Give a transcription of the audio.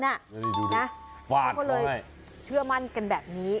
นี่ดูดิปาดเขาให้แล้วก็เลยเชื่อมั่นกันแบบนี้